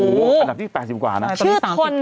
อันดับที่๘๐กว้าชื่อทน